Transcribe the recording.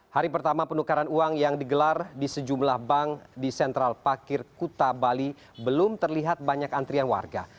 hari pertama penukaran uang yang digelar di sejumlah bank di sentral pakir kuta bali belum terlihat banyak antrian warga